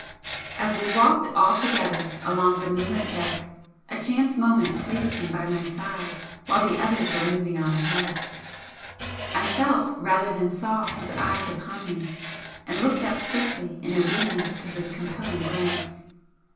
As we walked all together along the moonlit deck a chance moment placed him by my side while the others were moving on ahead. I felt rather than saw his eyes upon me, and looked up swiftly in obedience to his compelling glance.